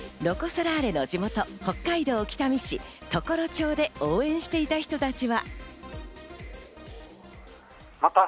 ロコ・ソラーレの地元・北海道北見市常呂町で応援していた人たちは。